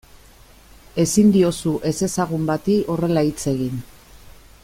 Ezin diozu ezezagun bati horrela hitz egin.